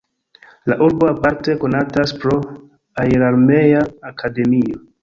La urbo aparte konatas pro aerarmea akademio.